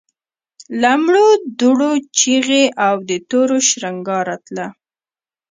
له مړو دوړو چيغې او د تورو شرنګا راتله.